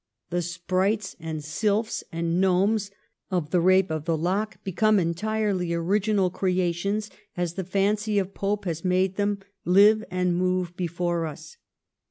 The sprites and sylphs and gnomes of ' The Eape of the Lock ' become entirely original creations as the fancy of Pope has made them live and move before us.